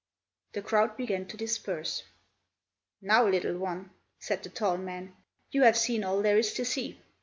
The crowd began to disperse. "Now, little one," said the tall man, "you have seen all there is to see."